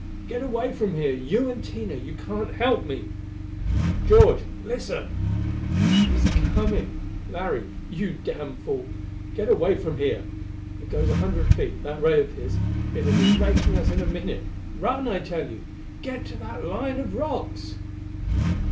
"Get away from here, you and Tina! You can't help me!" "George, listen " "He's coming. Larry you damn fool, get away from here! It goes a hundred feet, that ray of his: it'll be raking us in a minute! Run, I tell you! Get to that line of rocks!"